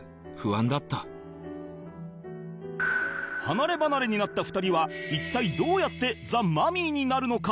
離ればなれになった２人は一体どうやってザ・マミィになるのか？